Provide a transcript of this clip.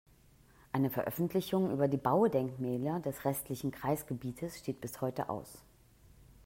Eine Veröffentlichung über die Baudenkmäler des restlichen Kreisgebietes steht bis heute aus.